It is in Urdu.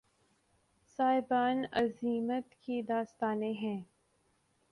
صاحبان عزیمت کی داستانیں ہیں